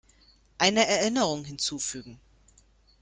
Eine Erinnerung hinzufügen.